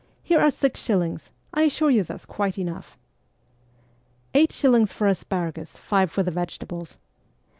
Here are six shillings ; I assure you that's quite enough.' ' Eight shillings for asparagus, five for the vegetables.'